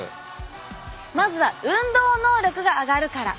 まずは「運動能力が上がる」から。